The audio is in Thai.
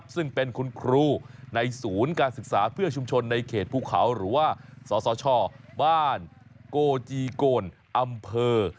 ซึ่งเป็นคุณครูในศูนย์การศึกษาเพื่อชุมชนในเขตภูเขาหรือว่าสสชบ้านโกจีโกนอำเภอ